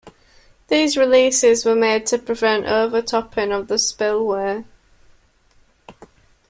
These releases were made to prevent overtopping of the spillway.